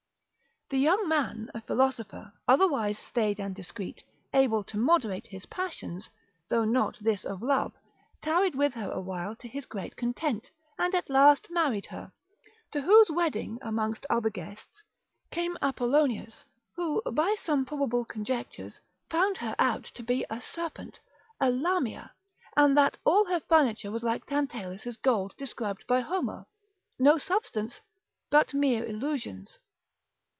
The young man a philosopher, otherwise staid and discreet, able to moderate his passions, though not this of love, tarried with her awhile to his great content, and at last married her, to whose wedding, amongst other guests, came Apollonius, who, by some probable conjectures, found her out to be a serpent, a lamia, and that all her furniture was like Tantalus's gold described by Homer, no substance, but mere illusions.